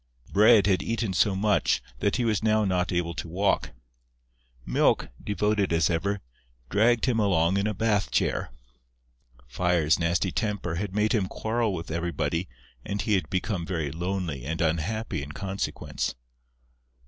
Bread had eaten so much that he was now not able to walk: Milk, devoted as ever, dragged him along in a Bath chair. Fire's nasty temper had made him quarrel with everybody and he had become very lonely and unhappy in consequence.